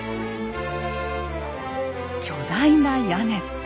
巨大な屋根。